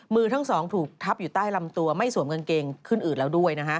มือทั้งสองถูกทับอยู่ใต้ลำตัวไม่สวมกางเกงขึ้นอืดแล้วด้วยนะฮะ